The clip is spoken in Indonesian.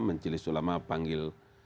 menjelis ulama panggil